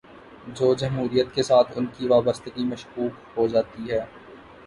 تو جمہوریت کے ساتھ ان کی وابستگی مشکوک ہو جا تی ہے۔